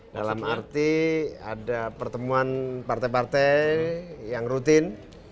dalam arti ada pertemuan partai partai yang rutin